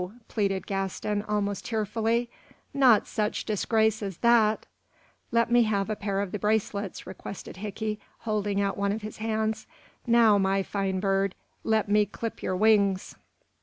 pleaded Gaston, almost tearfully. "Not such disgrace as that!" "Let me have a pair of the bracelets," requested Hickey, holding out one of his hands. "Now, my tine bird, let me clip yer wings."